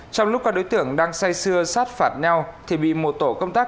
trong lúc các đối tượng đang say xưa sát phạt nhau thì bị một tổ công tác